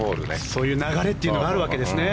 そういう流れというのがあるわけですね。